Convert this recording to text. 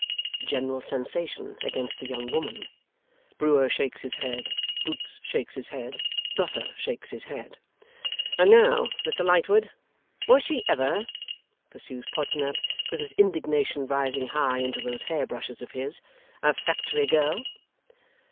General sensation against the young woman. Brewer shakes his head. Boots shakes his head. Buffer shakes his head. 'And now, Mr Lightwood, was she ever,' pursues Podsnap, with his indignation rising high into those hair brushes of his, 'a factory girl?